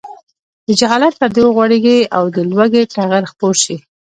د جهالت پردې وغوړېږي او د لوږې ټغر خپور شي.